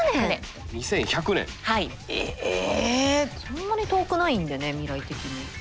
そんなに遠くないんでね未来的に。